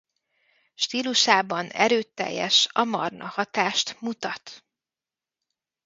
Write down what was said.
Stílusában erőteljes Amarna-hatást mutat.